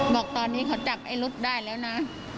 บอกตอนนี้เขาจับไอ้รถได้แล้วนะ